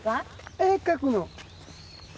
絵描くの。